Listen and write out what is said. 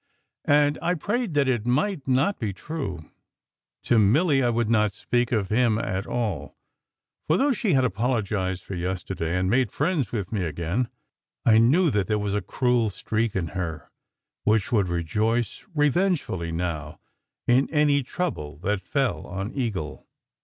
And I prayed that it might not be true. To Milly I would not speak of him at all; for though she had apologized for yesterday, and "made friends " with me again, I knew that there was a cruel streak in her which would rejoice revengefully now, in any trouble that fell on Eagle.